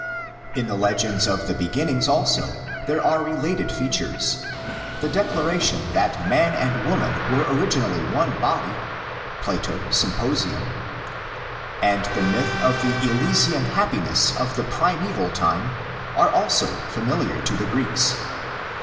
In the legends of the begin nings also there are related features: the declaration that man and woman were originally one body (Plato, Symp., p. 189 ff.), and the myth of the Elysian happiness of the primeval time are also familiar to the Greeks.